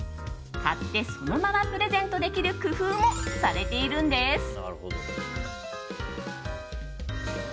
買ってそのままプレゼントできる工夫もされているんです。